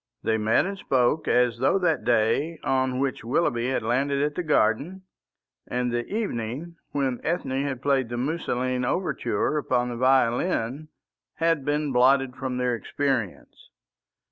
They met and spoke as though that day on which Willoughby had landed at the garden, and the evening when Ethne had played the Musoline Overture upon the violin, had been blotted from their experience.